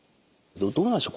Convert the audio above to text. どうなんでしょう？